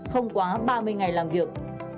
không quá ba mươi ngày làm việc